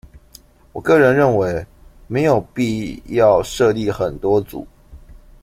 我個人認為沒有必要設立很多組